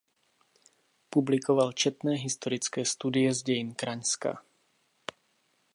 Publikoval četné historické studie z dějin Kraňska.